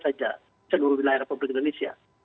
saja sebelum wilayah pemerintah indonesia